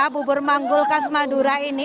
bubur manggul khas madura ini